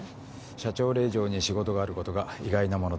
社長令嬢に仕事があることが意外なもので。